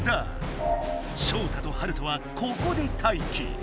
ショウタとハルトはここでたいき。